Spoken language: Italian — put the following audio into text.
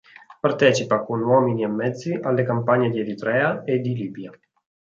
Partecipa con uomini e mezzi alle campagne di Eritrea e di Libia.